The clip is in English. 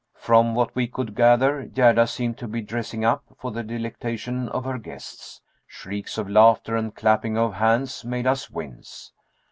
From what we could gather, Gerda seemed to be "dressing up" for the delectation of her guests. Shrieks of laughter and clapping of hands made us wince.